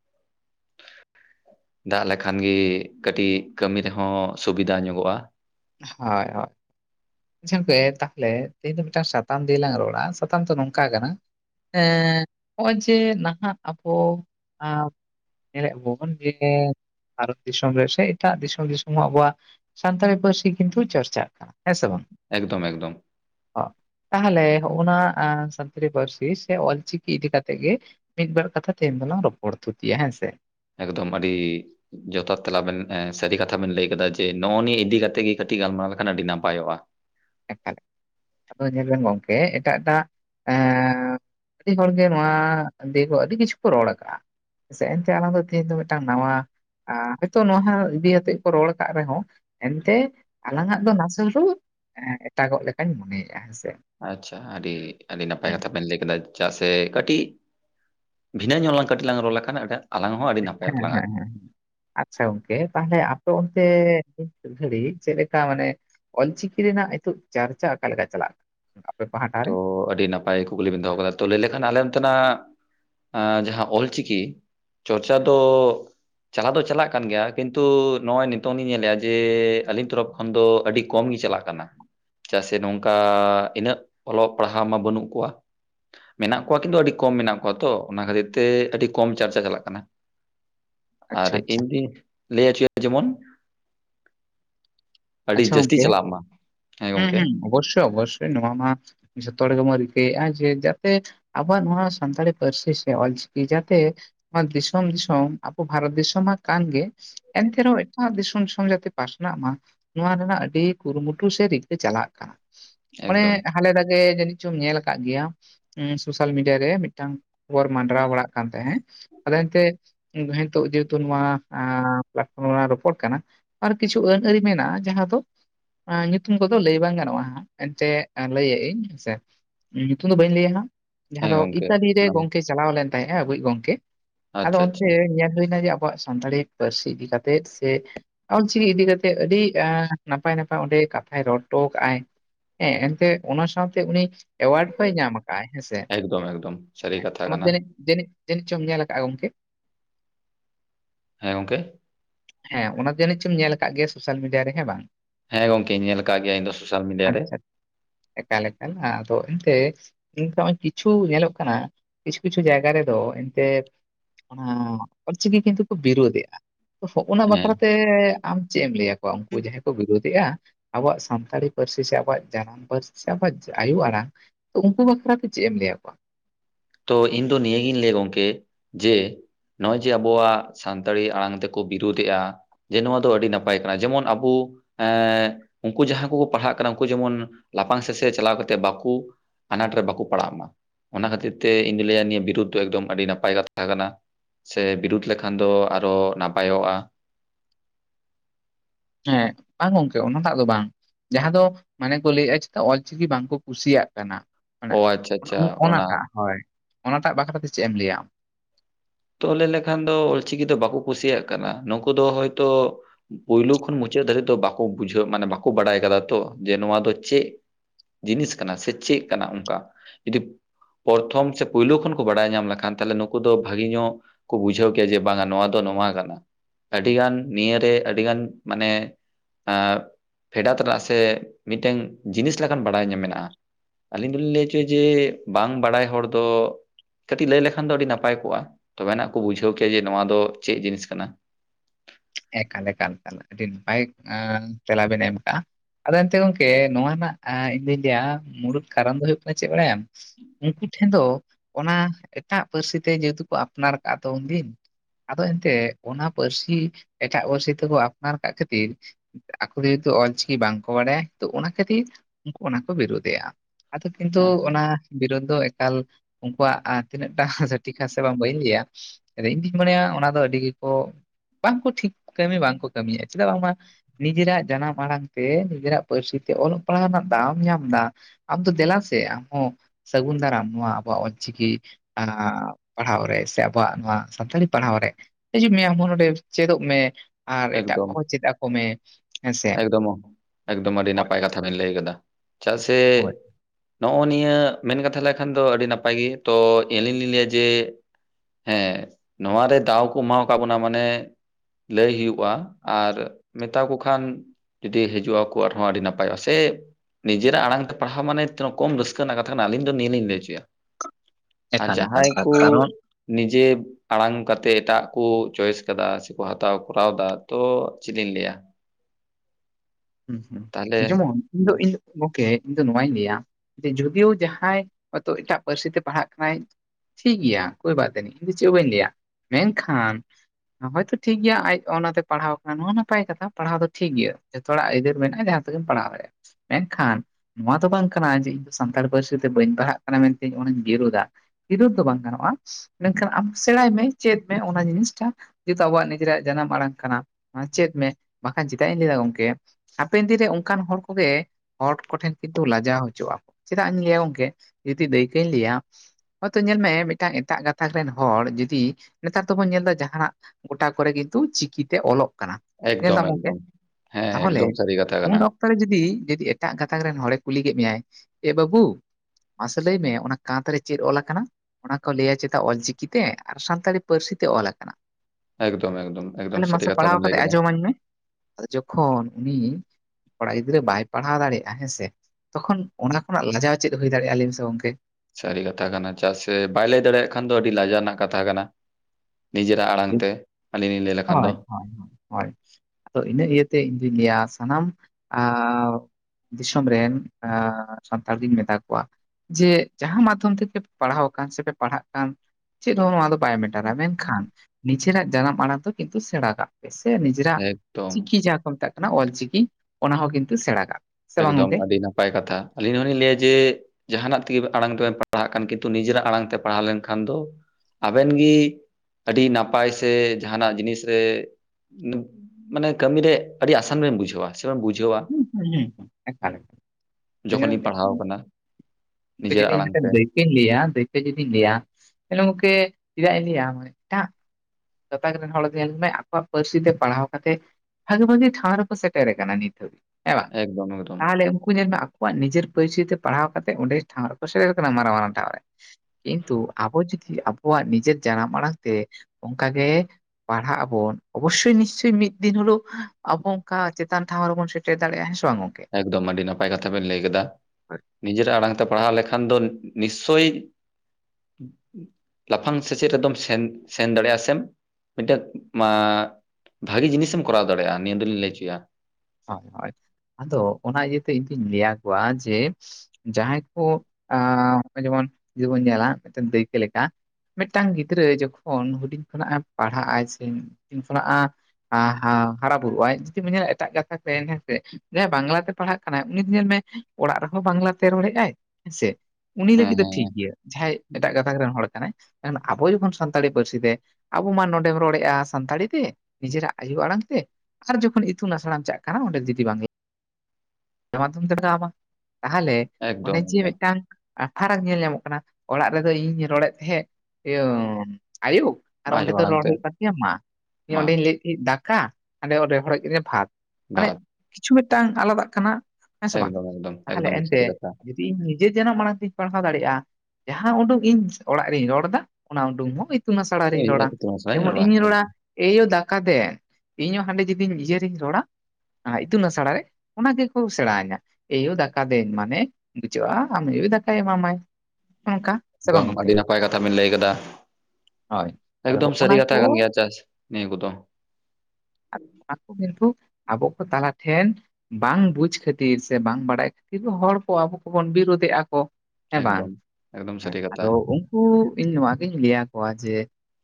ᱫᱟᱜ ᱞᱮᱠᱷᱟᱱ ᱜᱤ ᱠᱟᱴᱤᱡ ᱠᱟᱹᱢᱤ ᱨᱮᱦᱚ ᱥᱩᱵᱤᱫᱟ ᱧᱚᱜᱚᱜᱼᱟ᱾ ᱦᱳᱭ, ᱦᱳᱭ, ᱪᱪᱷᱟ ᱜᱚᱝᱠᱮ ᱛᱟᱦᱚᱞᱮ ᱛᱮᱦᱮᱧ ᱫᱚ ᱢᱤᱫᱴᱟᱝ ᱥᱟᱛᱟᱢ ᱫᱤᱭᱮ ᱞᱟᱝ ᱨᱚᱲᱟ, ᱥᱟᱛᱟᱢ ᱫᱚ ᱱᱚᱝᱠᱟ ᱠᱟᱱᱟ ᱮ ᱦᱚᱜᱼᱚᱭ ᱡᱮ ᱱᱟᱦᱟᱜ ᱟᱵᱚ ᱟ ᱧᱮᱞᱮᱫ ᱟᱵᱚᱱ ᱡᱮ ᱵᱷᱟᱨᱚᱛ ᱫᱤᱥᱚᱢ ᱨᱮ, ᱥᱮ ᱮᱴᱟᱜ ᱫᱤᱥᱚᱢ ᱫᱤᱥᱚᱢ ᱟᱵᱚᱣᱟᱜ ᱥᱟᱱᱛᱟᱲᱤ ᱯᱟᱹᱨᱥᱤ ᱠᱤᱱᱛᱩ ᱪᱚᱨᱪᱟᱜ ᱠᱟᱱᱟ, ᱦᱮ ᱥᱮ ᱵᱟᱝ? ᱮᱠᱫᱚᱢ ᱮᱠᱫᱚᱢ, ᱛᱟᱦᱚᱞᱮ ᱦᱚᱜᱼᱚ ᱱᱟ ᱮ ᱥᱟᱱᱛᱟᱲᱤ ᱯᱟᱹᱨᱥᱤ, ᱥᱮ ᱚᱞᱪᱤᱠᱤ ᱤᱫᱤ ᱠᱟᱛᱮᱫ ᱜᱮ ᱢᱤᱫ ᱵᱟᱨ ᱠᱟᱛᱷᱟ ᱛᱮᱦᱮᱧ ᱫᱚᱞᱟᱝ ᱨᱚᱯᱚᱲ ᱛᱷᱩᱛᱤᱭᱟ ᱦᱮᱸ ᱥᱮ, ᱮᱠᱫᱚᱢ ᱟᱹᱰᱤ ᱡᱚᱛᱷᱟᱛ ᱛᱮᱞᱟᱵᱮᱱ ᱥᱟᱹᱨᱤ ᱠᱟᱛᱷᱟ ᱵᱮᱱ ᱞᱟᱹᱭ ᱠᱟᱫᱟ, ᱡᱮ ᱱᱚᱜᱼᱚ ᱱᱤᱭᱟᱹ ᱤᱫᱤ ᱠᱟᱛᱮᱜ ᱜᱮ ᱠᱟᱹᱴᱤᱡ ᱜᱟᱞᱢᱟᱨᱟᱣ ᱞᱮᱠᱷᱟᱱ ᱟᱹᱰᱤ ᱱᱟᱯᱟᱭᱚᱜᱼᱟ᱾ [inaudible] ᱟᱫᱚ ᱧᱮᱞᱵᱮᱱ ᱜᱚᱝᱠᱮ ᱮᱴᱟᱜ ᱮᱴᱟᱜ ᱮ ᱟᱹᱰᱤ ᱦᱚᱲ ᱜᱮ ᱱᱚᱣᱟ ᱫᱤᱭ ᱟᱹᱰᱤ ᱠᱤᱪᱷᱩ ᱠᱚ ᱨᱚᱲ ᱟᱠᱟᱜᱼᱟ, ᱥᱮ ᱮᱱᱛᱮ ᱟᱞᱟᱝ ᱫᱚ ᱛᱮᱦᱮᱧ ᱫᱚ ᱢᱤᱫᱴᱟᱝ ᱱᱟᱣᱟ ᱮ ᱦᱚᱭᱛᱳ ᱱᱚᱣᱟ ᱤᱫᱤᱛᱮᱫ ᱠᱚ ᱨᱚᱲ ᱠᱟᱜ ᱨᱮᱦᱚᱸ, ᱮᱱᱛᱮ ᱟᱞᱟᱝᱟᱜ ᱫᱚ ᱱᱟᱥᱮ ᱦᱤᱞᱩ ᱦᱮ ᱮᱴᱟᱜᱚᱜ ᱞᱮᱠᱟᱧ ᱢᱚᱱᱮᱭᱮᱜᱼᱟ ᱦᱮᱸᱥᱮ, ᱟᱪᱪᱷᱟ, ᱟᱹᱰᱤ ᱟᱹᱰᱤ ᱱᱟᱯᱟᱭ ᱦᱩᱸ ᱠᱟᱛᱷᱟ ᱵᱮᱱ ᱞᱟᱹᱭ ᱠᱮᱫᱟ, ᱪᱮᱫᱟᱜ ᱥᱮ ᱠᱟᱹᱴᱤᱡ ᱵᱷᱤᱱᱟᱹ ᱧᱚᱜ ᱞᱟᱝ ᱠᱟᱹᱴᱤᱡ ᱞᱟᱝ ᱨᱚᱲ ᱞᱮᱠᱷᱟᱱ, ᱟᱞᱟᱝ ᱦᱚᱸ ᱟᱹᱰᱤ ᱱᱟᱯᱟᱭᱚᱜ ᱦᱮᱸ ᱛᱟᱞᱟᱝᱟ, ᱦᱮᱸ ᱦᱮᱸ ᱟᱪᱪᱷᱟ ᱜᱚᱝᱠᱮ ᱛᱟᱦᱞᱮ ᱟᱯᱮ ᱚᱱᱛ [unintelligible] ᱪᱮᱫᱮᱠᱟ ᱢᱟᱱᱮ? ᱚᱞᱪᱤᱠᱤ ᱨᱮᱱᱟᱜ ᱤᱛᱚᱜ ᱪᱟᱨᱪᱟ ᱚᱠᱟᱞᱮᱠᱟ ᱪᱟᱞᱟᱜ ᱠᱟᱱᱟ? ᱯᱟᱦᱴᱟ ᱨᱮ? ᱛᱚ ᱟᱹᱰᱤ ᱱᱟᱯᱟᱭ ᱠᱩᱠᱞᱤ ᱵᱮᱱ ᱫᱚᱦᱚᱣ ᱠᱟᱫᱟ, ᱛᱚ ᱞᱟᱹᱭ ᱞᱮᱠᱷᱟᱱ ᱟᱞᱮ ᱱᱛᱮᱱᱟᱜ ᱚ ᱡᱟᱦᱟᱸ ᱚᱞᱪᱤᱠᱤ ᱪᱚᱨᱪᱟ ᱫᱚ ᱪᱟᱞᱟᱣ ᱫᱚ ᱪᱟᱞᱟᱜ ᱠᱟᱱ ᱜᱮᱭᱟ, ᱠᱤᱱᱛᱩ ᱱᱚᱜᱼᱚᱭ ᱱᱤᱛᱚᱝ ᱞᱤᱧ ᱧᱮᱞᱮᱜ-ᱟ, ᱡᱮ ᱟᱞᱤᱧ ᱛᱚᱨᱚᱯ ᱠᱷᱚᱱ ᱫᱚ ᱟᱹᱰᱤ ᱠᱚᱢ ᱜᱤ ᱪᱟᱞᱟᱜ ᱠᱟᱱᱟ, ᱪᱮᱫᱟᱜ ᱥᱮ ᱱᱚᱝᱠᱟ ᱤᱱᱟᱹᱜ ᱚᱞᱚᱜ ᱯᱟᱲᱦᱟᱣ ᱢᱟ ᱵᱟᱹᱱᱩᱜ ᱠᱚᱣᱟ, ᱢᱮᱱᱟᱜ ᱠᱚᱣᱟ, ᱠᱤᱱᱛᱩ ᱟᱹᱰᱤ ᱠᱚᱢ ᱢᱮᱱᱟᱜ ᱠᱚᱣᱟ ᱛᱚ, ᱚᱱᱟ ᱠᱷᱟᱹᱛᱤᱨ ᱛᱮ ᱟᱹᱰᱤ ᱠᱚᱢ ᱪᱟᱨᱪᱟ ᱪᱟᱞᱟᱜ ᱠᱟᱱᱟ᱾ ᱟᱨ ᱟᱪᱪᱷᱟ ᱟᱪᱪᱷᱟ ᱤᱧ ᱫᱚᱧ ᱞᱟᱹᱭᱟ ᱦᱚᱪᱚᱭᱟ ᱡᱮᱢᱚᱱ, ᱟᱹᱰᱤ ᱟᱪᱪᱷᱟ ᱡᱟᱹᱥᱛᱤ ᱜᱚᱝᱠᱮ ᱪᱟᱞᱟᱜ ᱢᱟ ᱦᱮᱸ ᱦᱩᱸ ᱜᱚᱝᱠᱮ ᱦᱩᱸ ᱚᱵᱚᱥᱥᱳ ᱚᱵᱚᱥᱥᱳᱭ ᱱᱚᱣᱟ ᱢᱟ ᱡᱚᱛᱚ ᱦᱚᱲ ᱜᱮ ᱵᱚᱱ ᱨᱤᱠᱟᱹᱭᱮᱜ-ᱟ ᱡᱮ ᱡᱟᱛᱮ ᱟᱵᱚᱣᱟᱜ ᱱᱚᱣᱟ ᱥᱟᱱᱛᱟᱲᱤ ᱯᱟᱹᱨᱥᱤ ᱥᱮ ᱚᱞᱪᱤᱠᱤ ᱡᱟᱛᱮ ᱱᱚᱣᱟ ᱫᱤᱥᱚᱢ ᱫᱤᱥᱚᱢ ᱟᱵᱚ ᱵᱷᱟᱨᱚᱛ ᱫᱤᱥᱚᱢ ᱢᱟ ᱠᱟᱱ ᱜᱮ ᱮᱱᱛᱮ ᱨᱮᱦᱚᱸ ᱮᱴᱟᱜ ᱫᱤᱥᱚᱢ ᱥᱚᱸᱜᱮᱛᱮ ᱯᱟᱥᱱᱟᱜ ᱢᱟ ᱱᱚᱣᱟ ᱨᱮᱱᱟᱜ ᱟᱹᱰᱤ ᱠᱩᱨᱩᱢᱩᱴᱩ ᱥᱮ ᱨᱤᱠᱟᱹ ᱪᱟᱞᱟᱜ ᱠᱟᱱᱟ ᱮᱠᱫᱚᱢ ᱚᱱᱮᱠᱟ ᱟᱞᱮᱫᱟᱜᱮ ᱡᱟᱹᱱᱤᱡ ᱪᱚᱢ ᱧᱮᱞ ᱟᱠᱟᱫ ᱜᱮᱭᱟ? ᱩᱸ ᱥᱳᱥᱟᱞ ᱢᱤᱰᱤᱭᱟ ᱨᱮ ᱢᱤᱫᱴᱟᱝ ᱵᱚᱨ ᱢᱟᱸᱰᱨᱟᱣ ᱵᱟᱲᱟᱜ ᱠᱟᱱ ᱛᱟᱦᱮᱸᱫ ᱟᱫᱚ ᱮᱱᱛᱮ ᱵᱮᱦᱮ ᱛᱩ ᱡᱮᱦᱮᱫᱩ ᱱᱚᱣᱟ ᱮ ᱯᱮᱞᱟᱴ ᱯᱷᱚᱨᱚᱢ ᱨᱮ ᱨᱚᱯᱚᱲ ᱠᱟᱱᱟ ᱟᱨ ᱠᱤᱪᱷᱩ ᱟᱱ ᱟᱨᱤ ᱢᱮᱱᱟᱜ-ᱟ ᱡᱟᱦᱟᱸ ᱫᱚ ᱟ ᱧᱩᱛᱩᱢ ᱠᱚᱫᱚ ᱞᱟᱹᱭ ᱵᱟᱝ ᱜᱟᱱᱚᱜᱼᱟ ᱮᱱᱛᱮᱫ ᱞᱟᱹᱭᱮᱧ ᱥᱮ? ᱧᱤᱛᱩᱢ ᱫᱚ ᱵᱟᱹᱧ ᱞᱟᱹᱭᱟ ᱦᱟᱸᱜ ᱡᱟᱦᱟᱸ ᱦᱮᱸ ᱫᱚ ᱜᱚᱝᱠᱮ ᱤᱛᱛᱟᱫᱤ ᱨᱮ ᱚᱱᱟᱢᱟ ᱜᱚᱝᱠᱮᱥ ᱪᱟᱞᱟᱣ ᱞᱮᱱ ᱛᱟᱦᱮᱸᱜᱼᱟ ᱟᱵᱩᱭᱤᱡ ᱜᱚᱝᱠᱮ ᱟᱫᱚ ᱟᱪᱪᱷᱟ ᱚᱱᱛᱮ ᱟᱪᱪᱷᱟ ᱧᱮᱞ ᱦᱩᱭᱱᱟ ᱡᱮ ᱟᱵᱚᱣᱟᱜ ᱥᱟᱱᱛᱟᱲᱤ ᱯᱟᱹᱨᱥᱤ ᱤᱫᱤ ᱠᱟᱛᱮᱫ ᱥᱮ ᱚᱞᱪᱤᱠᱤ ᱤᱫᱤ ᱠᱟᱛᱮᱫ ᱟᱹᱰᱤ ᱮ ᱱᱟᱯᱟᱭ ᱱᱟᱯᱟᱭ ᱚᱸᱰᱮ ᱠᱟᱛᱷᱟᱭ ᱨᱚᱲ ᱴᱚᱣ ᱠᱟᱜᱟᱭ ᱦᱮᱸ ᱮᱱᱛᱮ ᱚᱱᱟ ᱥᱟᱶᱛᱮ ᱩᱱᱤ ᱮᱣᱟᱨᱰ ᱦᱚᱭ ᱧᱟᱢ ᱟ ᱤᱭᱟᱹ ᱥᱮ ᱮᱠᱫᱚᱢ ᱮᱠᱫᱚᱢ ᱥᱟᱹᱨᱤ ᱠᱟᱛᱷᱟ ᱚᱱᱟ ᱫᱚ ᱠᱟᱱᱟ ᱡᱟᱹᱱᱤᱡ ᱡᱟᱹᱱᱤᱡ ᱡᱟᱹᱱᱤᱡ ᱪᱚᱢ ᱧᱮᱞ ᱟᱠᱟᱜᱼᱟ ᱜᱚᱝᱠᱮ? ᱦᱮᱸ ᱜᱚᱝᱠᱮ ᱦᱮᱸ ᱚᱱᱟ ᱫᱚ ᱡᱟᱹᱱᱤᱜ ᱪᱚᱢ ᱧᱮᱞ ᱟᱠᱟᱫ ᱜᱮᱭᱟ ᱥᱳᱥᱟᱞ ᱢᱤᱰᱤᱭᱟ ᱨᱮ ᱦᱮᱸ ᱵᱟᱝ? ᱦᱮᱸ ᱜᱚᱝᱠᱮ ᱧᱮᱞ ᱠᱟᱜ ᱜᱤᱭᱟᱹᱧ ᱤᱧ ᱫᱚ ᱥᱳᱥᱟᱞ ᱢᱤᱰᱤᱭᱟ ᱨᱮ᱾ ᱟᱪᱪᱷᱟ ᱮᱠᱟᱞ ᱮᱠᱟᱞ ᱦᱟ ᱟᱫᱚ ᱮᱱᱛᱮ ᱤᱱᱠᱟᱹ ᱦᱚᱜᱚᱭ ᱠᱤᱪᱷᱩ ᱧᱮᱞᱚᱜ ᱠᱟᱱᱟ ᱠᱤᱪᱷᱩ ᱠᱤᱪᱷᱩ ᱡᱟᱭᱜᱟ ᱨᱮᱫᱚ ᱮᱱᱛᱮᱫ ᱚᱱᱟ ᱚᱞᱪᱤᱠᱤ ᱠᱤᱱᱛᱩ ᱠᱚ ᱵᱤᱨᱳᱫᱮᱜ-ᱟ ᱦᱚᱜᱚ ᱱᱟ ᱦᱮᱸ ᱵᱟᱠᱷᱨᱟᱛᱮ ᱟᱢ ᱪᱮᱫ ᱮᱢ ᱞᱟᱹᱭᱟᱠᱚᱣᱟ? ᱠᱩ ᱡᱟᱦᱟᱸᱭ ᱠᱚ ᱵᱤᱨᱳᱫᱮᱜᱼᱟ ᱟᱵᱚᱣᱟᱜ ᱥᱟᱱᱛᱟᱲᱤ ᱯᱟᱹᱨᱥᱤ ᱥᱮ ᱟᱵᱚᱣᱟᱜ ᱡᱟᱱᱟᱢ ᱯᱟᱹᱨᱥᱤ ᱥᱮ ᱟᱵᱚᱣᱟᱜ ᱟᱭᱳ ᱟᱲᱟᱝ ᱩᱱᱠᱩ ᱵᱟᱠᱷᱨᱟᱛᱮ ᱪᱮᱫ ᱮᱢ ᱞᱟᱹᱭᱟᱠᱚᱣᱟ? ᱛᱚ ᱤᱧᱫᱚ ᱱᱤᱭᱟᱹᱜᱤᱧ ᱞᱟᱹᱭᱟ ᱜᱚᱝᱠᱮ ᱡᱮ ᱱᱚᱜᱚᱭ ᱡᱮ ᱟᱵᱚᱣᱟᱜ ᱥᱟᱱᱛᱟᱲᱤ ᱟᱲᱟᱝ ᱛᱮᱠᱚ ᱵᱤᱨᱩᱫᱮᱜᱼᱟ ᱡᱮ ᱱᱚᱣᱟ ᱫᱚ ᱟᱹᱰᱤ ᱱᱟᱯᱟᱭ ᱠᱟᱱᱟ ᱡᱮᱢᱚᱱ ᱟᱵᱩ ᱮᱸ ᱩᱱᱠᱩ ᱡᱟᱦᱟᱸᱭ ᱠᱚᱠᱚ ᱯᱟᱲᱦᱟᱜ ᱠᱟᱱᱟ ᱩᱱᱠᱩ ᱡᱮᱢᱚᱱ ᱞᱟᱯᱷᱟᱝ ᱥᱮᱪᱮᱫ ᱪᱟᱞᱟᱣ ᱠᱮᱛᱮᱜ ᱵᱟᱠᱩ ᱟᱱᱟᱴ ᱨᱮ ᱵᱟᱠᱚ ᱯᱟᱲᱟᱜ ᱢᱟ ᱚᱱᱟ ᱠᱷᱟᱹᱛᱤᱨ ᱛᱮ ᱤᱧᱫᱩᱧ ᱞᱟᱹᱭᱫᱟ ᱱᱤᱭᱟᱹ ᱵᱤᱨᱩᱫᱽ ᱫᱚ ᱮᱠᱫᱚᱢ ᱟᱹᱰᱤ ᱱᱟᱯᱟᱭ ᱠᱟᱛᱷᱟ ᱠᱟᱱᱟ᱾ ᱥᱮ ᱵᱤᱨᱩᱫ ᱞᱮᱠᱷᱟᱱ ᱫᱚ ᱟᱨᱚ ᱱᱟᱯᱟᱭᱚᱜᱼᱟ᱾ ᱦᱮᱸ ᱵᱟᱝ ᱜᱚᱝᱠᱮ ᱚᱱᱟᱴᱟᱜ ᱫᱚ ᱵᱟᱝ ᱡᱟᱦᱟᱸ ᱫᱚ ᱢᱟᱱᱮ ᱠᱚ ᱞᱟᱹᱭᱮᱫᱼᱟ ᱪᱮᱛᱟ ᱚᱞ ᱪᱤᱠᱤ ᱵᱟᱝ ᱠᱚ ᱠᱩᱥᱤᱭᱟᱜ ᱠᱟᱱᱟ ᱢᱟᱱᱮ ᱚ ᱟᱪᱪᱷᱟ ᱟᱪᱪᱷᱟ ᱚᱱᱟ ᱴᱟᱜ ᱦᱳᱭ ᱚᱱᱟ ᱴᱟᱜ ᱵᱟᱠᱷᱨᱟ ᱛᱮ ᱪᱮᱫ ᱮᱢ ᱞᱟᱹᱭᱟ? ᱛᱚ ᱞᱟᱹᱭ ᱞᱮᱠᱷᱟᱱ ᱫᱚ ᱚᱞᱪᱤᱠᱤ ᱫᱚ ᱵᱟᱠᱚ ᱠᱩᱥᱤᱭᱟᱜ ᱠᱟᱱᱟ ᱱᱩᱠᱩ ᱫᱚ ᱦᱚᱭᱛᱳ ᱯᱩᱭᱞᱩ ᱠᱷᱚᱱ ᱢᱩᱪᱟᱹᱫ ᱫᱷᱟᱵᱤᱡ ᱫᱚ ᱵᱟᱠᱚ ᱵᱩᱡᱷᱟᱹᱣ ᱢᱟᱱᱮ ᱵᱟᱠᱚ ᱵᱟᱲᱟᱭ ᱟᱠᱟᱫᱟ ᱛᱚ ᱡᱮ ᱱᱚᱣᱟ ᱫᱚ ᱪᱮᱜ ᱡᱤᱱᱤᱥ ᱠᱟᱱᱟ ᱥᱮ ᱪᱮᱫ ᱠᱟᱱᱟ ᱚᱱᱠᱟ ᱡᱩᱫᱤ ᱯᱨᱚᱛᱷᱚᱢ ᱥᱮ ᱯᱳᱭᱞᱳ ᱠᱷᱚᱱ ᱠᱚ ᱵᱟᱲᱟᱭ ᱧᱟᱢ ᱞᱮᱠᱷᱟᱱ ᱛᱟᱦᱚᱞᱮ ᱱᱩᱠᱩ ᱫᱚ ᱵᱷᱟᱹᱜᱮ ᱧᱚᱜ ᱠᱚ ᱵᱩᱡᱷᱟᱹᱣ ᱠᱮᱭᱟ ᱡᱮ ᱵᱟᱝᱟ ᱱᱚᱣᱟ ᱫᱚ ᱱᱚᱣᱟ ᱠᱟᱱᱟ ᱟᱹᱰᱤ ᱜᱟᱱ ᱱᱤᱭᱟᱹ ᱨᱮ ᱟᱹᱰᱤ ᱜᱟᱱ ᱢᱟᱱᱮ ᱮ ᱯᱷᱮᱰᱟᱛ ᱨᱮᱱᱟᱜ ᱥᱮ ᱢᱤᱫᱴᱮᱱ ᱡᱤᱱᱤᱥ ᱞᱮᱠᱟᱱ ᱵᱟᱲᱟᱭ ᱧᱟ ᱢᱮᱱᱟᱜᱼᱟ ᱟᱹᱞᱤᱧ ᱫᱚᱞᱤᱧ ᱞᱟᱹᱭ ᱪᱚᱭᱟ ᱡᱮ ᱵᱟᱝ ᱵᱟᱲᱟᱭ ᱦᱚᱲ ᱫᱚ ᱠᱟᱹᱴᱤᱡ ᱞᱟᱹᱭ ᱞᱮᱠᱷᱟᱱ ᱫᱚ ᱟᱹᱰᱤ ᱱᱟᱯᱟᱭ ᱠᱚᱜᱼᱟ᱾ ᱛᱚᱵᱮᱱᱟᱜ ᱠᱚ ᱵᱩᱡᱷᱟᱹᱣ ᱠᱮᱭᱟ ᱡᱮ ᱱᱚᱣᱟ ᱫᱚ ᱪᱮᱫ ᱡᱤᱱᱤᱥ ᱠᱟᱱᱟ ᱮᱠᱟᱞ ᱮᱠᱟᱞ ᱟᱹᱰᱤ ᱱᱟᱯᱟᱭ ᱟᱱ ᱛᱮᱞᱟ ᱵᱤᱱ ᱮᱢ ᱟᱠᱟᱜᱼᱟ ᱟᱫᱚ ᱮᱱᱛᱮ ᱜᱚᱝᱠᱮ ᱱᱚᱣᱟ ᱨᱮᱱᱟᱜ ᱮ ᱤᱧ ᱫᱚᱧ ᱞᱟᱹᱭᱟ ᱢᱩᱲᱩᱫ ᱠᱟᱨᱚᱱ ᱫᱚ ᱦᱩᱭᱩᱜ ᱠᱟᱱᱟ ᱪᱮᱫ ᱵᱟᱲᱟᱭᱟᱢ ᱩᱱᱠᱩ ᱴᱷᱮᱱ ᱫᱚ ᱚᱱᱟ ᱮᱴᱟᱜ ᱯᱟᱹᱨᱥᱤ ᱛᱮ ᱡᱮᱦᱮᱛᱩ ᱠᱚ ᱟᱯᱱᱟᱨ ᱠᱟᱜᱼᱟ ᱫᱚ ᱩᱱᱫᱤᱱ, ᱟᱫᱚ ᱮᱱᱛᱮᱜ ᱚᱱᱟ ᱯᱟᱹᱨᱥᱤ ᱮᱴᱟᱜ ᱯᱟᱹᱨᱥᱤ ᱛᱮᱠᱚ ᱟᱯᱱᱟᱨ ᱟᱠᱟᱜ ᱠᱷᱟᱹᱛᱤᱨ ᱟᱠᱚ ᱫᱚ ᱡᱮᱦᱮᱛᱩ ᱚᱞᱪᱤᱠᱤ ᱵᱟᱝᱠᱚ ᱵᱟᱲᱟᱭᱟ ᱛᱚ ᱚᱱᱟ ᱠᱷᱟᱹᱛᱤᱨ ᱩᱱᱠᱩ ᱚᱱᱟ ᱠᱚ ᱵᱤᱨᱩᱫᱮᱜᱼᱟ ᱾ ᱟᱫᱚ ᱠᱤᱱᱛᱩ ᱟᱪᱪᱷᱟ, ᱚᱱᱟ ᱵᱤᱨᱩᱫᱽᱫᱷᱚ ᱮᱠᱟᱞ ᱩᱝᱠᱩᱣᱟᱜ ᱛᱤᱱᱟᱹᱜ ᱴᱟ ᱥᱟᱴᱤᱠᱟ ᱥᱮ ᱵᱟᱝ ᱵᱟᱹᱧ ᱞᱟᱹᱭᱟ ᱾ ᱟᱫᱚ ᱤᱧ ᱫᱩᱧ ᱢᱚᱱᱮᱭᱟ ᱚᱱᱟ ᱫᱚ ᱟᱹᱰᱤ ᱜᱮᱠᱚ ᱵᱟᱝᱠᱚ ᱴᱷᱤᱠ ᱠᱟᱹᱢᱤ ᱵᱟᱝᱠᱚ ᱠᱟᱹᱢᱤᱭᱟ ᱾ ᱪᱮᱫᱟᱜ ᱵᱟᱝ ᱢᱟ ᱱᱤᱡᱮᱨᱟᱜ ᱡᱟᱱᱟᱢ ᱟᱲᱟᱝ ᱛᱮ ᱱᱤᱡᱮᱨᱟᱜ ᱯᱟᱹᱨᱥᱤ ᱛᱮ ᱚᱞᱚᱜ ᱯᱟᱲᱦᱟᱣ ᱨᱮᱱᱟᱜ ᱫᱟᱣᱮᱢ ᱧᱟᱢ ᱮᱫᱟ, ᱟᱢ ᱫᱚ ᱫᱮᱞᱟ ᱥᱮ ᱟᱢ ᱦᱚᱸ ᱥᱟᱹᱜᱩᱱ ᱫᱟᱨᱟᱢ ᱱᱚᱣᱟ ᱟᱵᱚᱣᱟᱜ ᱚᱞᱪᱤᱠᱤ ᱟᱸᱻ ᱯᱟᱲᱦᱟᱣ ᱨᱮ ᱥᱮ ᱟᱵᱚᱣᱟᱜ ᱱᱚᱣᱟ ᱥᱟᱱᱛᱟᱲᱤ ᱯᱟᱲᱦᱟᱣ ᱨᱮ ᱾ ᱦᱤᱡᱩᱜ ᱢᱮ ᱟᱢ ᱦᱚᱸ ᱱᱚᱰᱮ ᱪᱮᱫᱚᱜ ᱢᱮ ᱟᱨ ᱮᱴᱟᱜ ᱮᱠᱫᱚᱢ ᱠᱚᱦᱚᱸ ᱪᱮᱫ ᱟᱠᱚ ᱢᱮ ᱦᱮᱸᱥᱮ ᱾ ᱮᱠᱫᱚᱢ ᱮᱠᱫᱚᱢ ᱟᱹᱰᱤ ᱱᱟᱯᱟᱭ ᱠᱟᱛᱷᱟ ᱵᱤᱱ ᱞᱟᱹᱭ ᱟᱠᱟᱫᱟ, ᱪᱮᱫᱟᱜ ᱥᱮ ᱦᱳᱭ ᱱᱚᱜᱼᱚᱭ ᱱᱤᱭᱟᱹ ᱢᱮᱱ ᱠᱟᱛᱷᱟ ᱞᱮᱠᱷᱟᱱ ᱫᱚ ᱟᱹᱰᱤ ᱱᱟᱯᱟᱭ ᱜᱮ ᱛᱚ ᱟᱞᱤᱧ ᱞᱤᱧ ᱞᱟᱹᱭᱟ ᱡᱮ ᱦᱮᱸ ᱱᱚᱣᱟ ᱨᱮ ᱫᱟᱣ ᱠᱚ ᱮᱢᱟᱣ ᱠᱟᱜ ᱵᱚᱱᱟ ᱢᱟᱱᱮ ᱞᱟᱹᱭ ᱦᱩᱭᱩᱜ ᱠᱚᱣᱟ ᱟᱨ ᱢᱮᱛᱟ ᱠᱚ ᱠᱷᱟᱱ ᱡᱩᱫᱤ ᱦᱤᱡᱩᱜ ᱟᱠᱚ ᱟᱨᱦᱚᱸ ᱟᱹᱰᱤ ᱱᱟᱯᱟᱭᱚᱜᱼᱟ ᱾ ᱥᱮ ᱱᱤᱡᱮᱨᱟᱜ ᱟᱲᱟᱝ ᱛᱮ ᱯᱟᱲᱦᱟᱣ ᱢᱟᱱᱮ ᱛᱤᱱᱟᱹ ᱠᱚᱢ ᱨᱟᱹᱥᱠᱟᱹ ᱨᱮᱱᱟᱜ ᱠᱟᱛᱷᱟ ᱠᱟᱱᱟ ᱟᱞᱤᱧ ᱫᱚ ᱱᱤᱭᱟᱹ ᱞᱤᱧ ᱞᱟᱹᱭ ᱦᱚᱪᱚᱭᱟ ᱾ ᱟᱨ ᱮᱠᱟᱞ ᱮᱠᱟᱞ ᱡᱟᱦᱟᱸᱭ ᱠᱚ ᱠᱟᱨᱚᱱ ᱱᱤᱡᱮ ᱟᱲᱟᱝ ᱠᱟᱛᱮ ᱮᱴᱟᱜ ᱠᱚ ᱪᱚᱭᱮᱥ ᱠᱟᱫᱟ ᱥᱮᱠᱚ ᱦᱟᱛᱟᱣ ᱟᱠᱚ ᱾ ᱦᱟᱛᱟᱣ ᱮᱫᱟ ᱛᱚ ᱪᱮᱫ ᱞᱤᱧ ᱞᱟᱹᱭᱟ ᱾ ᱦᱩᱸ ᱦᱩᱸ ᱛᱟᱦᱚᱞᱮ ᱡᱮᱢᱚᱱ ᱤᱧ ᱫᱚ ᱤᱧ ᱫᱚ ᱜᱚᱝᱠᱮ ᱤᱧ ᱫᱚ ᱱᱚᱣᱟᱧ ᱞᱟᱹᱭᱟ ᱡᱳᱫᱤᱭᱳ ᱡᱟᱦᱟᱸᱭ ᱦᱚᱭᱛᱳ ᱮᱴᱟᱜ ᱯᱟᱹᱨᱥᱤ ᱛᱮ ᱯᱟᱲᱦᱟᱜ ᱠᱟᱱᱟᱭ ᱴᱷᱤᱠ ᱜᱮᱭᱟ ᱠᱚᱭ ᱵᱟᱛ ᱱᱟᱦᱤ, ᱤᱧ ᱫᱚ ᱪᱮᱫ ᱵᱟᱹᱧ ᱞᱟᱹᱭᱟ ᱾ ᱢᱮᱱᱠᱷᱟᱱ ᱦᱳᱭᱛᱳ ᱴᱷᱤᱠ ᱜᱮᱭᱟ ᱟᱡ ᱚᱱᱟᱛᱮ ᱯᱟᱲᱦᱟᱣ ᱠᱷᱟᱱ ᱦᱚᱸ ᱱᱟᱯᱟᱭ ᱠᱟᱛᱷᱟ ᱯᱟᱲᱦᱟᱣ ᱫᱚ ᱴᱷᱤᱠ ᱜᱮᱭᱟ ᱾ ᱛᱷᱚᱲᱟ ᱟᱹᱭᱫᱟᱹᱨ ᱢᱮᱱᱟᱜᱼᱟ ᱡᱟᱦᱟᱸ ᱛᱮᱜᱮᱢ ᱯᱟᱲᱦᱟᱣ ᱫᱟᱲᱮᱭᱟᱜᱼᱟ ᱾ ᱢᱮᱱᱠᱷᱟᱱ ᱱᱚᱣᱟ ᱫᱚ ᱵᱟᱝ ᱠᱟᱱᱟ ᱡᱮ ᱤᱧ ᱫᱚ ᱥᱟᱱᱛᱟᱲ ᱯᱟᱹᱨᱥᱤ ᱛᱮ ᱵᱟᱹᱧ ᱯᱟᱲᱦᱟᱜ ᱠᱟᱱᱟ ᱢᱮᱱᱛᱮ ᱚᱱᱟᱧ ᱵᱤᱨᱩᱫᱟ ᱾ ᱵᱤᱨᱩᱫ ᱫᱚ ᱵᱟᱝ ᱜᱟᱱᱚᱜᱼᱟ ᱾ ᱢᱮᱱᱠᱷᱟᱱ ᱟᱢ ᱥᱮᱬᱟᱭ ᱢᱮ ᱪᱮᱫ ᱢᱮ ᱚᱱᱟ ᱡᱤᱱᱤᱥᱴᱟ ᱡᱮᱦᱮᱛᱩ ᱟᱵᱚᱣᱟᱜ ᱱᱤᱡᱮᱨᱟᱜ ᱡᱟᱱᱟᱢ ᱟᱲᱟᱝ ᱠᱟᱱᱟ ᱾ ᱚᱱᱟ ᱪᱮᱫ ᱢᱮ ᱵᱟᱠᱷᱟᱱ ᱪᱮᱫᱟᱜ ᱤᱧ ᱞᱟᱹᱭᱫᱟ ᱜᱚᱢᱠᱮ ᱦᱟᱯᱮᱱ ᱫᱤᱱ ᱨᱮ ᱚᱱᱠᱟᱱ ᱦᱚᱲ ᱠᱚᱜᱮ ᱦᱚᱲ ᱠᱚᱴᱷᱮᱱ ᱠᱤᱱᱛᱩ ᱞᱟᱡᱟᱣ ᱦᱚᱪᱚᱜᱼᱟ ᱠᱚ, ᱪᱮᱫᱟᱜ ᱤᱧ ᱞᱟᱹᱭᱟ ᱜᱚᱝᱠᱮ ᱡᱩᱫᱤ ᱫᱟᱹᱭᱠᱟᱹᱧ ᱞᱟᱹᱭᱟ ᱦᱚᱭᱛᱚ ᱧᱮᱞ ᱢᱮ ᱢᱤᱫᱴᱟᱝ ᱮᱴᱟᱜ ᱜᱟᱛᱟᱠ ᱨᱮᱱ ᱦᱚᱲ ᱡᱩᱫᱤ ᱱᱮᱛᱟᱨ ᱫᱚᱵᱚᱱ ᱧᱮᱞᱫᱟ ᱡᱟᱦᱟᱱᱟᱜ ᱜᱚᱴᱟ ᱠᱚᱨᱮ ᱠᱤᱱᱛᱩ ᱪᱤᱠᱤ ᱛᱮ ᱚᱞᱚᱜ ᱠᱟᱱᱟ ᱾ ᱮᱠᱫᱚᱢ ᱮᱠᱫᱚᱢ ᱾ ᱛᱟᱦᱚᱞᱮ ᱩᱱ ᱚᱠᱛᱚ ᱨᱮ ᱡᱩᱫᱤ ᱡᱩᱫᱤ ᱮᱴᱟᱜ ᱜᱟᱛᱟᱠ ᱨᱮᱱ ᱦᱚᱲᱮ ᱠᱩᱞᱤ ᱠᱮᱫ ᱢᱮᱭᱟᱭ ᱮ ᱵᱟᱹᱵᱩ ᱢᱟᱥᱮ ᱞᱟᱹᱭ ᱢᱮ ᱚᱱᱟ ᱠᱟᱸᱛ ᱨᱮ ᱪᱮᱫ ᱚᱞ ᱟᱠᱟᱱᱟ? ᱚᱱᱟ ᱠᱚ ᱞᱟᱹᱭᱟ ᱪᱮᱫᱟᱜ ᱚᱞᱪᱤᱠᱤ ᱛᱮ ᱟᱨ ᱥᱟᱱᱛᱟᱲᱤ ᱯᱟᱹᱨᱥᱤ ᱛᱮ ᱚᱞ ᱟᱠᱟᱱᱟ ᱮᱠᱫᱚᱢ ᱮᱠᱫᱚᱢ ᱾ ᱮᱠᱫᱚᱢ ᱛᱟᱦᱚᱞᱮ ᱥᱟᱹᱨᱤ ᱢᱟᱥᱮ ᱠᱟᱛᱷᱟ ᱯᱟᱲᱦᱟᱣ ᱵᱮᱱ ᱞᱟᱹᱭ ᱠᱟᱛᱮᱜ ᱠᱟᱫᱟ ᱟᱸᱡᱚᱢᱟᱹᱧ ᱢᱮ ᱾ ᱟᱫᱚ ᱡᱚᱠᱷᱚᱱ ᱩᱱᱤ ᱠᱚᱲᱟ ᱜᱤᱫᱽᱨᱟᱹ ᱵᱟᱭ ᱯᱟᱲᱦᱟᱣ ᱫᱟᱲᱮᱭᱟᱜᱼᱟ ᱦᱮᱸ ᱥᱮ ᱾ ᱛᱚᱠᱷᱚᱱ ᱚᱱᱟ ᱠᱷᱚᱱᱟᱜ ᱞᱟᱡᱟᱣ ᱪᱮᱫ ᱦᱩᱭ ᱫᱟᱲᱮᱭᱟᱜᱼᱟ ᱞᱟᱹᱭ ᱢᱮᱥᱮ ᱜᱚᱝᱠᱮ? ᱥᱟᱹᱨᱤ ᱠᱟᱛᱷᱟ ᱠᱟᱱᱟ ᱪᱮᱫᱟᱜ ᱥᱮ ᱵᱟᱭ ᱞᱟᱹᱭ ᱫᱟᱲᱮᱭᱟᱜ ᱠᱷᱟᱱ ᱫᱚ ᱟᱹᱰᱤ ᱞᱟᱡᱟᱣ ᱨᱮᱱᱟᱜ ᱠᱟᱛᱷᱟ ᱠᱟᱱᱟ ᱾ ᱱᱤᱡᱮᱨᱟᱜ ᱟᱲᱟᱝ ᱛᱮ ᱟᱹᱞᱤᱧ ᱞᱤᱧ ᱞᱟᱹᱭ ᱞᱮᱠᱷᱟᱱ ᱫᱚ ᱾ ᱦᱳᱭ ᱦᱳᱭ ᱾ ᱦᱳᱭ, ᱟᱫᱚ ᱤᱱᱟᱹ ᱤᱭᱟᱹᱛᱮ ᱤᱧᱫᱩᱧ ᱞᱟᱹᱭᱟ ᱥᱟᱱᱟᱢ ᱟᱻ ᱫᱤᱥᱚᱢ ᱨᱮᱱ ᱮᱻ ᱥᱟᱱᱛᱟᱲ ᱜᱤᱧ ᱢᱮᱛᱟ ᱠᱚᱣᱟ ᱾ ᱡᱮ ᱡᱟᱦᱟᱸ ᱢᱟᱫᱽᱫᱷᱚᱢ ᱛᱮᱯᱮ ᱯᱟᱲᱦᱟᱣ ᱟᱠᱟᱱ ᱥᱮᱯᱮ ᱯᱟᱲᱦᱟᱜ ᱠᱟᱱ ᱪᱮᱫ ᱦᱚᱸ ᱱᱚᱣᱟ ᱫᱚ ᱵᱟᱭ ᱢᱮᱴᱟᱨᱟ, ᱢᱮᱱᱠᱷᱟᱱ ᱱᱤᱡᱮᱨᱟᱜ ᱡᱟᱱᱟᱢ ᱟᱲᱟᱝ ᱫᱚ ᱠᱤᱱᱛᱩ ᱥᱮᱬᱟ ᱠᱟᱜ ᱯᱮ ᱥᱮ ᱱᱤᱡᱮᱨᱟᱜ ᱮᱠᱫᱚᱢ ᱪᱤᱠᱤ ᱡᱟᱦᱟᱸ ᱠᱚ ᱢᱮᱛᱟᱜ ᱚᱱᱟ ᱚᱞ ᱪᱤᱠᱤ ᱚᱱᱟ ᱦᱚᱸ ᱠᱤᱱᱛᱩ ᱥᱮᱬᱟ ᱠᱟᱜ ᱥᱮ ᱵᱟᱝ ᱮᱠᱫᱚᱢ ᱜᱚᱝᱠᱮ? ᱟᱹᱰᱤ ᱱᱟᱯᱟᱭ ᱠᱟᱛᱷᱟ᱾ ᱟᱹᱞᱤᱧ ᱦᱚᱞᱤᱧ ᱞᱟᱹᱭᱟ ᱡᱮ ᱡᱟᱦᱟᱱᱟᱜ ᱛᱮᱜᱮ ᱟᱲᱟᱝ ᱛᱮᱵᱮᱱ ᱯᱟᱲᱦᱟᱜ ᱠᱟᱱ ᱠᱤᱱᱛᱩ ᱱᱤᱡᱮᱨᱟᱜ ᱟᱲᱟᱝ ᱛᱮ ᱯᱟᱲᱦᱟᱣ ᱞᱮᱱᱠᱷᱟᱱ ᱫᱚ ᱟᱵᱮᱱ ᱜᱤ ᱟᱹᱰᱤ ᱱᱟᱯᱟᱭ ᱥᱮ ᱡᱟᱦᱟᱱᱟᱜ ᱡᱤᱱᱤᱥ ᱨᱮ ᱢᱟᱱᱮ ᱠᱟᱹᱢᱤ ᱨᱮ ᱟᱹᱰᱤ ᱟᱥᱟᱱ ᱵᱮᱱ ᱵᱩᱡᱷᱟᱹᱣᱟ ᱥᱮ ᱵᱤᱱ ᱵᱩᱡᱷᱟᱹᱣᱟ᱾ ᱩᱸᱦᱩ ᱮᱠᱟᱞ᱾ ᱡᱚᱠᱷᱚᱱᱤᱧ ᱯᱟᱲᱦᱟᱣ ᱟᱠᱟᱱᱟ᱾ ᱜᱚᱢᱠᱮ ᱡᱩᱫᱤ ᱱᱤᱡᱮᱨᱟᱜ ᱤᱧ ᱟᱲᱟᱝ ᱢᱤᱫᱴᱟᱝ ᱛᱮ ᱫᱟᱹᱭᱠᱟᱹᱧ ᱞᱟᱹᱭᱟ ᱫᱟᱹᱭᱠᱟᱹ ᱡᱩᱫᱤᱧ ᱞᱟᱹᱭᱟ ᱛᱟᱦᱚᱞᱮ ᱜᱚᱢᱠᱮ ᱪᱮᱫᱟᱜ ᱤᱧ ᱞᱟᱹᱭᱟ ᱮᱴᱟᱜ ᱜᱟᱛᱟᱠ ᱨᱮᱱ ᱦᱚᱲ ᱧᱮᱞ ᱢᱮ ᱟᱠᱚᱣᱟᱜ ᱯᱟᱹᱨᱥᱤ ᱛᱮ ᱯᱟᱲᱦᱟᱣ ᱠᱟᱛᱮᱜ ᱵᱷᱟᱹᱜᱤ ᱵᱷᱟᱹᱜᱤ ᱴᱷᱟᱶ ᱨᱮᱠᱚ ᱥᱮᱴᱮᱨ ᱠᱟᱱᱟ ᱱᱤᱛ ᱦᱟᱹᱵᱤᱡ ᱦᱮᱸ ᱵᱟᱝ ᱮᱠᱫᱚᱢ ᱮᱠᱫᱚᱢ ᱛᱟᱦᱚᱞᱮ ᱩᱱᱠᱩ ᱧᱮᱞ ᱢᱮ ᱟᱠᱣᱟᱜ ᱱᱤᱡᱮᱨ ᱯᱚᱨᱥᱤ ᱛᱮ ᱯᱟᱲᱦᱟᱣ ᱠᱟᱛᱮᱫ ᱚᱸᱰᱮ ᱴᱷᱟᱶ ᱨᱮᱠᱚ ᱥᱮᱴᱮᱨ ᱠᱟᱱᱟ ᱢᱟᱨᱟᱝ ᱢᱟᱨᱟᱝ ᱴᱷᱟᱶ ᱨᱮ᱾ ᱠᱤᱱᱛᱩ ᱟᱵᱚ ᱡᱩᱫᱤ ᱟᱵᱚᱣᱟᱜ ᱱᱤᱡᱮᱨ ᱡᱟᱱᱟᱢ ᱟᱲᱟᱝ ᱛᱮ ᱚᱱᱠᱟᱜᱮ ᱯᱟᱲᱦᱟᱜ ᱟᱵᱚᱱ ᱚᱵᱚᱥᱥᱳᱭ ᱱᱤᱥᱪᱳᱭ ᱢᱤᱫ ᱫᱤᱱ ᱦᱤᱞᱳᱜ ᱟᱵᱚ ᱚᱱᱠᱟ ᱪᱮᱛᱟᱱ ᱴᱷᱟᱶ ᱨᱮᱵᱚᱱ ᱥᱮᱴᱮᱨ ᱫᱟᱲᱮᱭᱟᱜᱼᱟ ᱦᱮᱸ ᱥᱮ ᱵᱟᱝ ᱜᱚᱝᱠᱮ? ᱮᱠᱫᱚᱢ ᱟᱹᱰᱤ ᱱᱟᱯᱟᱭ ᱠᱟᱛᱷᱟ ᱵᱮᱱ ᱞᱟᱹᱭ ᱠᱟᱫᱟ᱾ ᱱᱤᱡᱮᱨᱟᱜ ᱟᱲᱟᱝ ᱛᱮ ᱯᱟᱲᱦᱟᱣ ᱞᱮᱠᱷᱟᱱ ᱫᱚ ᱱᱤᱥᱪᱳᱚᱭ ᱞᱟᱯᱷᱟᱝ ᱥᱮᱪᱮᱫ ᱨᱮᱫᱚᱢ ᱥᱮᱱ, ᱥᱮᱱ ᱫᱟᱲᱮᱭᱟᱜᱼᱟ ᱥᱮᱢ ᱢᱤᱫᱴᱮᱱ ᱵᱷᱟᱹᱜᱤ ᱡᱤᱱᱤᱥᱮᱢ ᱠᱚᱨᱟᱣ ᱫᱟᱲᱮᱭᱟᱜᱼᱟ ᱱᱤᱭᱟᱹ ᱫᱚᱞᱤᱧ ᱞᱟᱹᱭ ᱦᱚᱪᱚᱭᱟ᱾ ᱦᱳᱭ ᱦᱳᱭ ᱟᱫᱚ ᱚᱱᱟ ᱤᱭᱟᱹᱛᱮ ᱤᱧ ᱫᱩᱧ ᱞᱟᱹᱭ ᱟᱠᱚᱣᱟ ᱡᱮ ᱡᱟᱦᱟᱸᱭ ᱠᱚ ᱟᱻ ᱱᱚᱜᱚᱭ ᱡᱮᱢᱚᱱ ᱡᱩᱫᱤ ᱵᱚᱱ ᱧᱮᱞᱟ ᱢᱤᱫᱴᱮᱱ ᱫᱟᱹᱭᱠᱟᱹ ᱞᱮᱠᱟ᱾ ᱢᱤᱫᱴᱟᱝ ᱜᱤᱫᱽᱨᱟᱹ ᱡᱚᱠᱷᱚᱱ ᱦᱩᱰᱤᱧ ᱠᱷᱚᱱᱟᱜᱼᱮ ᱯᱟᱲᱦᱟᱜ ᱟᱭ ᱥᱮ ᱦᱩᱰᱤᱧ ᱠᱷᱚᱱᱟᱜ ᱦᱟᱨᱟ ᱵᱩᱨᱩᱜ ᱟᱭ ᱡᱩᱫᱤ ᱵᱮᱱ ᱧᱮᱞᱟ ᱮᱴᱟᱜ ᱜᱟ ᱦᱮᱸᱥᱮ ᱡᱟᱦᱟᱸᱭ ᱵᱟᱝᱞᱟᱛᱮ ᱯᱟᱲᱦᱟᱜ ᱠᱟᱱᱟᱭ ᱩᱱᱤ ᱫᱚ ᱧᱮᱞ ᱢᱮ ᱚᱲᱟᱜ ᱨᱮᱦᱚᱸ ᱵᱟᱝᱞᱟᱛᱮ ᱨᱚᱲᱮᱫᱼ ᱟᱭ ᱦᱮᱸᱥᱮ ᱩᱱᱤ ᱦᱮᱸ ᱞᱟᱹᱜᱤᱫ ᱫᱚ ᱴᱷᱤᱠ ᱦᱮᱸ ᱜᱮᱭᱟ ᱡᱟᱦᱟᱸᱭ ᱮᱴᱟᱜ ᱜᱟᱛᱟᱠ ᱨᱮᱱ ᱦᱚᱲ ᱠᱟᱱᱟᱭ᱾ ᱟᱵᱚ ᱡᱚᱠᱷᱚᱱ ᱥᱟᱛᱟᱲᱤ ᱯᱟᱹᱨᱥᱤ ᱛᱮ ᱟᱵᱚ ᱢᱟ ᱱᱚᱰᱮᱢ ᱨᱚᱲᱮᱜᱼᱟ ᱥᱟᱱᱛᱟᱲᱤ ᱛᱮ ᱱᱤᱡᱮᱨᱟᱜ ᱟᱭᱳ ᱟᱲᱟᱝ ᱛᱮ ᱟᱨ ᱡᱚᱠᱷᱚᱱ ᱤᱛᱩᱱ ᱟᱥᱲᱟᱢ ᱪᱟᱞᱟᱜ [unintelligible] ᱚᱸᱰᱮ ᱡᱩᱫᱤ ᱵᱟᱝᱜᱮ ᱢᱟᱫᱽᱫᱷᱚᱢ ᱛᱮᱢ ᱧᱟᱢᱟ ᱛᱟᱦᱚᱞᱮ ᱚᱱᱮ ᱮᱠᱫᱚᱢ ᱡᱮ ᱮᱠᱫᱚᱢ ᱢᱤᱫᱴᱟᱝ ᱯᱷᱟᱨᱟᱠ ᱧᱮᱞ ᱧᱟᱢᱚᱜ ᱠᱟᱱᱟ ᱚᱲᱟᱜ ᱨᱮᱫᱚ ᱤᱧ ᱨᱚᱲᱮᱫ ᱛᱟᱦᱮᱸᱫ ᱤᱭᱟᱹ ᱟᱭᱩ ᱟᱨ ᱟᱭᱳ ᱚᱸᱰᱮ ᱫᱚ ᱟᱲᱟᱝ ᱨᱚᱲ ᱛᱮ ᱦᱩᱭᱩᱜ ᱠᱟᱱ ᱛᱤᱧᱟᱹ ᱢᱟ ᱤᱧ ᱢᱟ ᱚᱸᱰᱮᱧ ᱞᱟᱹᱭᱮᱫ ᱛᱟᱦᱮᱸ ᱫᱟᱠᱟ ᱦᱟᱸᱰᱮ [unintelligible] ᱵᱷᱟᱛ᱾ ᱢᱟᱱᱮ ᱵᱟᱫ ᱠᱤᱪᱷᱩ ᱢᱤᱫᱴᱟᱝ ᱟᱞᱟᱫᱟᱜ ᱠᱟᱱᱟ᱾ ᱦᱮᱸ ᱥᱮ ᱵᱟᱝ ᱮᱠᱫᱚᱢ ᱮᱠᱫᱚᱢ ᱮᱠᱫᱚ ᱛᱟᱦᱚᱞᱮ ᱮᱱᱛᱮ ᱥᱟᱹᱨᱤ ᱠᱟᱛᱷᱟ ᱡᱩᱫᱤ ᱤᱧ ᱱᱤᱡᱮᱨ ᱡᱟᱱᱟᱢ ᱟᱲᱟᱝ ᱛᱤᱧ ᱯᱟᱲᱦᱟᱣ ᱫᱟᱲᱮᱭᱟᱜᱼᱟ᱾ ᱡᱟᱦᱟᱸ ᱩᱰᱩᱝ ᱤᱧ ᱚᱲᱟᱜ ᱨᱤᱧ ᱨᱚᱲ ᱮᱫᱟ ᱚᱱᱟ ᱩᱰᱩᱝ ᱦᱚᱸ ᱤᱛᱩᱱ ᱟᱥᱲᱟ ᱨᱤᱧ ᱮᱭ ᱨᱚᱲᱟ ᱮᱛᱚ ᱥᱟᱭ ᱡᱮᱢᱚᱱ ᱤᱧᱤᱧ ᱨᱚᱲᱟ ᱮᱭᱳ ᱫᱟᱠᱟ ᱫᱮᱱ᱾ ᱤᱧ ᱦᱚᱸ ᱦᱟᱸᱰᱮ ᱡᱩᱫᱤᱧ ᱤᱭᱟᱹ ᱨᱤᱧ ᱨᱚᱲᱟ ᱟᱻ ᱤᱛᱩᱱ ᱟᱥᱲᱟ ᱨᱮ ᱚᱱᱟᱜᱮ ᱥᱮᱬᱟ ᱟᱹᱧᱟ ᱮᱭᱩ ᱫᱟᱠᱟ ᱫᱮᱱ ᱢᱟᱱᱮ ᱵᱩᱡᱷᱟᱹ-ᱟ ᱟᱢ ᱟᱭᱳ ᱫᱟᱠᱟᱭ ᱮᱢᱟᱢᱟᱭ᱾ ᱚᱱᱠᱟ ᱥᱮ ᱵᱟᱝ ᱮᱠᱫᱚᱢ ᱜᱚᱝᱠᱮ ᱟᱹᱰᱤ ᱱᱟᱯᱟᱭ ᱠᱟᱛᱷᱟ ᱵᱮᱱ ᱞᱟᱹᱭ ᱟᱠᱟᱫᱟ᱾ ᱦᱳᱭ ᱟᱫᱚ ᱮᱠᱫᱚᱢ ᱦᱚᱜᱼᱱᱟ ᱥᱟᱹᱨᱤ ᱠᱚ ᱠᱟᱛᱷᱟ ᱠᱟᱱ ᱜᱮᱭᱟ ᱪᱟᱥ ᱱᱤᱭᱟᱹ ᱠᱚᱫᱚ᱾ ᱟᱠᱚ ᱠᱤᱱᱛᱩ ᱟᱵᱚ ᱠᱚ ᱛᱟᱞᱟ ᱴᱷᱮᱱ ᱵᱟᱝ ᱵᱩᱡᱽ ᱵᱩᱡᱽ ᱠᱷᱟᱹᱛᱤᱨ ᱥᱮ ᱵᱟᱝ ᱵᱟᱲᱟᱭ ᱠᱷᱟᱹᱛᱤᱨ ᱦᱚᱲ ᱠᱚ ᱟᱵᱚ ᱠᱚᱵᱚᱱ ᱵᱤᱨᱳᱫᱮᱜᱼᱟ ᱠᱚ᱾ ᱦᱮᱸ ᱵᱟᱝ ᱮᱠᱫᱚᱢ ᱮᱠᱫᱚᱢ ᱦᱮᱸ ᱥᱟᱹᱨᱤ ᱠᱟᱛᱷᱟ ᱟᱫᱚ ᱩᱱᱠᱩ ᱤᱧ ᱱᱚᱣᱟᱜᱤᱧ ᱞᱟᱹᱭᱟᱠᱚᱣᱟ ᱡᱮ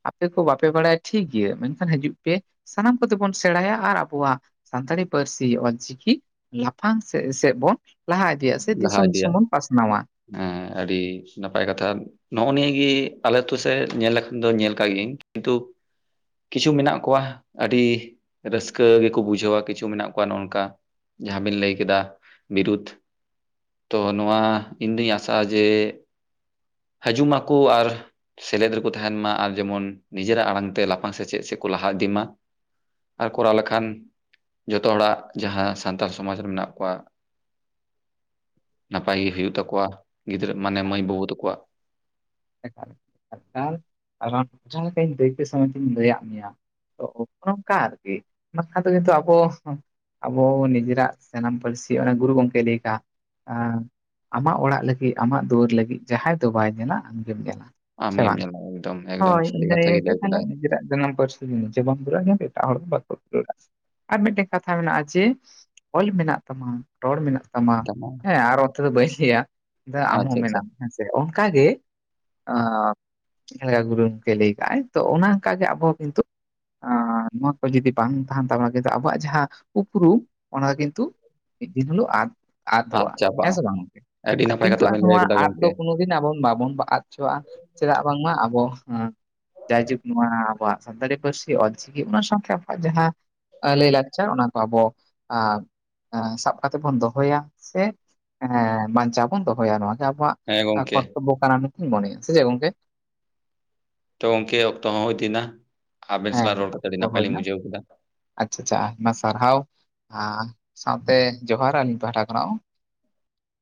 ᱟᱯᱮ ᱠᱚ ᱵᱟᱯᱮ ᱵᱟᱲᱟᱭᱟ ᱴᱷᱤᱠ ᱜᱮᱭᱟ ᱢᱮᱱᱠᱷᱟᱱ ᱦᱤᱡᱩᱜ ᱯᱮ ᱥᱟᱱᱟᱢ ᱠᱚᱛᱮ ᱵᱚᱱ ᱥᱮᱬᱟᱭᱟ ᱟᱨ ᱟᱵᱚᱭᱟᱜ ᱥᱟᱱᱛᱟᱲᱤ ᱯᱟᱹᱨᱥᱤ ᱚᱞ ᱪᱤᱠᱤ ᱞᱟᱯᱷᱟᱝ ᱥᱮᱜ ᱥᱮᱜ ᱵᱚᱱ ᱞᱟᱦᱟ ᱤᱫᱤᱭᱟ ᱥᱮ ᱞᱟᱦᱟ ᱫᱤᱥᱚᱢ ᱤᱫᱤᱭᱟ ᱫᱤᱥᱚᱢ ᱵᱚᱱ ᱯᱟᱥᱱᱟᱣᱟ ᱾ ᱦᱮᱸ ᱟᱹᱰᱤ ᱱᱟᱯᱟᱭ ᱠᱟᱛᱷᱟ᱾ ᱱᱚᱜᱼᱚ ᱱᱤᱭᱟᱹ ᱜᱮ ᱟᱞᱮ ᱟᱛᱳ ᱥᱮᱫ ᱧᱮᱞ ᱞᱮᱠᱷᱟᱱ ᱫᱚ ᱧᱮᱞ ᱠᱟᱜ ᱜᱤᱧ ᱠᱤᱱᱛᱩᱼᱼ ᱠᱤᱪᱷᱩ ᱢᱮᱱᱟᱜ ᱠᱚᱣᱟ ᱟᱹᱰᱤ - ᱨᱟᱹᱥᱠᱟᱹ ᱜᱮᱠᱚ ᱵᱩᱡᱷᱟᱹᱣᱟ ᱠᱤᱪᱷᱩ ᱢᱮᱱᱟᱜ ᱠᱚᱣᱟ ᱱᱚᱜ-ᱚ ᱱᱚᱝᱠᱟᱼᱼ ᱡᱟᱦᱟᱸ ᱵᱤᱱ ᱞᱟᱹᱭ ᱠᱮᱫᱟ ᱵᱤᱨᱩᱫ, ᱛᱚ ᱱᱚᱣᱟ ᱤᱧ ᱫᱩᱧ ᱟᱥᱟᱜᱼᱟ ᱡᱮ -ᱦᱟᱹᱡᱩᱜ ᱢᱟᱠᱩ ᱟᱨᱼᱼ ᱥᱮᱞᱮᱫ ᱨᱮᱠᱚ ᱛᱟᱦᱮᱱ ᱢᱟ ᱟᱨ ᱡᱮᱢᱚᱱ ᱱᱤᱡᱮᱨᱟᱜ ᱟᱲᱟᱝ ᱛᱮ ᱞᱟᱯᱷᱟᱝ ᱥᱮᱪᱮᱫ ᱥᱮᱜ ᱠᱚ ᱞᱟᱦᱟ ᱤᱫᱤ ᱢᱟ, ᱟᱨ ᱠᱚᱨᱟᱣ ᱞᱮᱠᱷᱟᱱ ᱡᱚᱛᱚ ᱦᱚᱲᱟᱜ ᱡᱟᱦᱟᱸ ᱥᱟᱱᱛᱟᱲ ᱥᱚᱢᱟᱡᱽ ᱨᱮ ᱢᱮᱱᱟᱜ ᱠᱚᱣᱟᱼᱼ ᱱᱟᱯᱟᱭ ᱜᱮ ᱦᱩᱭᱩᱜ ᱛᱟᱠᱚᱣᱟ ᱜᱤᱫᱽᱨᱟᱹ ᱢᱟᱱᱮ ᱢᱟᱹᱭ ᱵᱟᱹᱵᱩ ᱛᱟᱠᱚᱣᱟᱜ᱾ ᱡᱟᱦᱟᱸ ᱞᱮᱠᱟᱧ ᱫᱟᱹᱭᱠᱟᱹ ᱥᱚᱢᱮᱛᱤᱧ ᱞᱟᱹᱭᱟᱜ ᱢᱮᱭᱟ [inaudible] ᱟᱵᱚ ᱱᱤᱡᱮᱨᱟᱜ ᱡᱟᱱᱟᱢ ᱯᱟᱹᱨᱥᱤ ᱟᱲᱟᱝ ᱜᱩᱨᱩ ᱜᱚᱝᱠᱮ ᱞᱮᱭ ᱠᱟᱜ-ᱟ᱾ ᱟᱢ ᱟᱢᱟᱜ ᱚᱲᱟᱜ ᱞᱟᱹᱜᱤᱫ ᱟᱢᱟᱜ ᱫᱩᱣᱟᱹᱨ ᱞᱟᱹᱜᱤᱫ ᱡᱟᱦᱟᱸᱭ ᱫᱚ ᱵᱟᱭ ᱧᱮᱞᱟ ᱟᱢᱜᱮᱢ ᱧᱮᱞᱟ᱾ ᱥᱮ ᱟᱢᱜᱮᱢ ᱵᱟᱝ ᱧᱮᱞᱟ ᱮᱠᱫᱚᱢ ᱮᱠᱫᱚᱢ ᱦᱚᱭ ᱥᱟᱹᱨᱤ ᱤᱧ ᱠᱟᱛᱷᱟ ᱜᱮ ᱞᱟᱹᱭ ᱛᱟᱦᱚᱞᱮ ᱠᱮᱫᱟᱭ ᱱᱤᱡᱮᱨᱟᱜ ᱡᱟᱱᱟᱢ ᱯᱟᱹᱨᱥᱤᱼᱼ ᱥᱮ ᱵᱟᱢ ᱮᱴᱟᱜ ᱦᱚᱲ ᱫᱚ ᱵᱟᱠᱚ ᱫᱟᱹᱲᱟᱹᱼᱟ ᱟᱨ ᱢᱤᱫᱴᱮᱱ ᱠᱟᱛᱷᱟ ᱢᱮᱱᱟᱜᱼᱟ ᱡᱮ [inaudible] ᱚᱞ ᱢᱮᱱᱟᱜ ᱛᱟᱢᱟ, ᱨᱚᱲ ᱢᱮᱱᱟᱜ ᱛᱟᱢᱟ ᱦᱮᱸ ᱟᱨ ᱚᱱᱛᱮ ᱫᱚ ᱵᱟᱹᱧ ᱞᱮᱭᱟ ᱫᱟ ᱟᱢ ᱦᱚᱸ ᱟᱪᱪᱷᱟ ᱟᱪᱪᱷᱟ ᱢᱮᱱᱟᱢ ᱦᱮᱸᱥᱮ ᱚᱝᱠᱟ ᱜᱮ, ᱟᱵ ᱡᱟᱦᱟ ᱞᱮᱠᱟ ᱜᱩᱨᱩ ᱜᱚᱝᱠᱮ ᱞᱮᱭ ᱠᱟᱜ ᱟᱭ ᱛᱚ ᱚᱱᱟ ᱚᱱᱟᱠᱟᱜᱮ ᱟᱵᱚ ᱠᱤᱱᱛᱩᱼᱼ ᱟᱨ ᱱᱚᱣᱟ ᱠᱚ ᱡᱩᱫᱤ ᱵᱟᱝ ᱛᱟᱦᱟᱱ ᱛᱟᱢᱟ ᱵᱚᱱᱟ ᱠᱤᱛᱩ ᱟᱵᱚᱣᱟᱜ ᱡᱟᱦᱟᱸ ᱩᱯᱨᱩᱢ ᱚᱱᱟ ᱠᱤᱱᱛᱩᱼᱼ ᱢᱤᱫ ᱫᱤᱱ ᱦᱳᱞᱳᱜ ᱟᱫ ᱟᱫ ᱟᱫᱚᱼᱟ ᱦᱮᱸ ᱪᱟᱵᱟᱜᱼᱟ ᱥᱮ ᱵᱟᱝ ᱜᱚᱝᱠᱮ ᱟᱹᱰᱤ ᱟᱨ ᱱᱟᱯᱟᱭ ᱠᱤᱱᱛᱩ ᱠᱟᱛᱷᱟ ᱟᱨ ᱵᱮᱱ ᱞᱟᱹᱭ ᱱᱚᱣᱟ ᱠᱮᱫᱟ ᱟᱫ ᱫᱚ ᱜᱚᱝᱠᱮ ᱠᱳᱱᱳᱼᱼ ᱫᱤᱱ ᱟᱵᱚᱱ ᱵᱟᱵᱚᱱ ᱟᱫ ᱪᱚᱣᱟᱜᱼᱟ ᱪᱮᱫᱟᱜ ᱵᱟᱝᱢᱟ ᱟᱵᱚ ᱦᱚᱸᱻ ᱡᱟᱭᱡᱩᱜᱽ ᱱᱚᱣᱟ ᱟᱵᱚᱣᱟᱜ ᱥᱟᱱᱛᱟᱲᱤ ᱯᱟᱹᱨᱥᱤ ᱚᱞᱪᱤᱠᱤ ᱚᱱᱟ ᱥᱟᱶᱛᱮ ᱟᱵᱚᱣᱟᱜ ᱡᱟᱦᱟᱸᱼᱼ ᱞᱮ ᱞᱟᱠᱪᱟ ᱚᱱᱟ ᱠᱚ ᱟᱵᱚ ᱟᱨᱼᱼ ᱦᱟᱸ ᱥᱟᱵ ᱠᱟᱛᱮ ᱵᱚᱱ ᱫᱚᱦᱚᱭᱟ ᱥᱮ ᱮ ᱵᱟᱧᱪᱟᱣ ᱵᱚᱱ ᱫᱚᱦᱚᱭᱟ ᱱᱚᱣᱟ ᱜᱮ ᱟᱵᱚᱣᱟᱜᱼᱼ ᱦᱮᱸ ᱜᱚᱝᱠᱮ ᱠᱚᱛ ᱛᱚᱵᱵᱚ ᱠᱟᱱᱟ ᱢᱮᱱᱛᱮᱧ ᱢᱚᱱᱮᱭᱟ ᱥᱮ ᱡᱮ ᱜᱚᱝᱠᱮ? ᱛᱚ ᱜᱚᱝᱠᱮ ᱚᱠᱛᱚ ᱦᱚᱸ ᱦᱩᱭᱫᱤᱱᱟ ᱾ ᱟᱵᱮᱱ ᱦᱮᱸ ᱥᱟᱞᱟᱜ ᱨᱚᱲ ᱠᱟᱛᱮ ᱟᱰᱤ ᱚᱠᱛᱚ ᱱᱟᱯᱟᱭ ᱞᱤᱧ ᱦᱩᱭᱱᱟ ᱵᱩᱡᱷᱟᱹᱣ ᱠᱮᱫᱟ᱾ ᱟᱪᱪᱷᱟ ᱪᱷᱟ ᱟᱭᱢᱟ ᱥᱟᱨᱦᱟᱣ ᱥᱟᱶᱛᱮ ᱡᱚᱦᱟᱨ ᱟᱹᱞᱤᱧ ᱯᱟᱦᱟᱴᱟ ᱠᱷᱚᱱᱟᱜ ᱦᱚᱸ᱾